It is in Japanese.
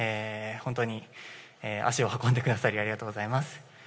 本当に足を運んでくださりありがとうございます。